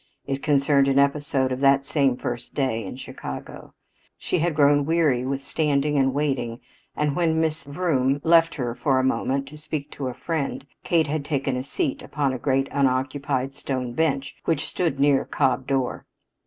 It concerned an episode of that same first day in Chicago. She had grown weary with the standing and waiting, and when Miss Vroom left her for a moment to speak to a friend, Kate had taken a seat upon a great, unoccupied stone bench which stood near Cobb door.